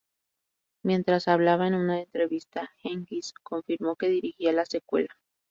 Mientras hablaba en una entrevista, Jenkins confirmó que dirigiría la secuela.